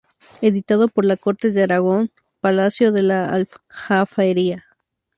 Editado por la Cortes de Aragón, Palacio de la Aljafería.